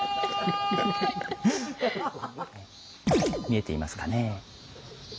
見えていますかね？